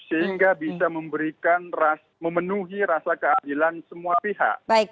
sehingga bisa memberikan memenuhi rasa keadilan semua pihak